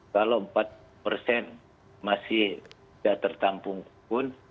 kalau empat persen masih tidak tertampung pun